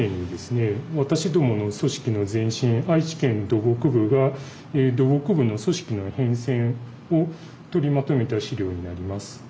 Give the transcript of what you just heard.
私どもの組織の前身愛知県土木部が土木部の組織の変遷を取りまとめた資料になります。